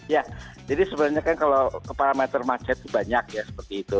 ya jadi sebenarnya kalau parameter termacet banyak ya seperti itu